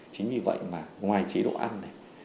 chính vì vậy mà ngoài chế độ ăn này